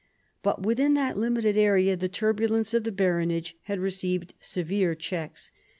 But within that limited area the turbulence of the baronage had received severe checks.